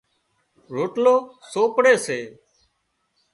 روٽلا سوپڙي سي